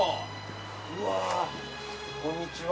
うわこんにちは。